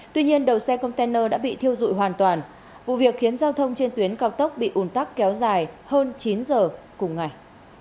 tuy nhiên đầu xe container đã bị thiêu dụi hoàn toàn vụ việc khiến giao thông trên tuyến cao tốc bị ủn tắc kéo dài hơn chín giờ cùng ngày